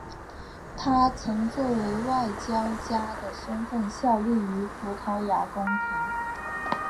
他曾作为外交家的身份效力于葡萄牙宫廷。